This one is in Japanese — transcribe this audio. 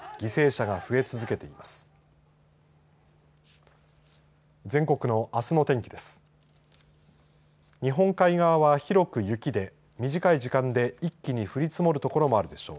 日本海側は広く雪で短い時間で一気に降り積もる所もあるでしょう。